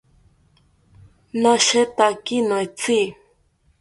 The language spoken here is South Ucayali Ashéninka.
Nashetaki noetzi